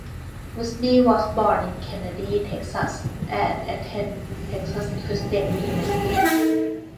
Busby was born in Kenedy, Texas, and attended Texas Christian University.